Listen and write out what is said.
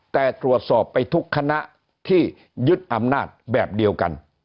แต่ตรวจสอบไปทุกคณะที่ยึดอำนาจแบบเดียวกัน